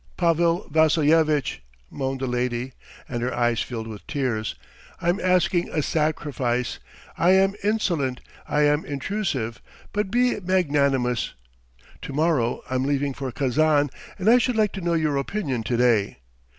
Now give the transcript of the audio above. "Pavel Vassilyevitch," moaned the lady and her eyes filled with tears, "I'm asking a sacrifice! I am insolent, I am intrusive, but be magnanimous. To morrow I'm leaving for Kazan and I should like to know your opinion to day.